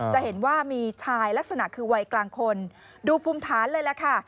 จะเห็นว่ามีชายลักษณะคือวัยกลางคนดูภูมิฐานเลยล่ะค่ะ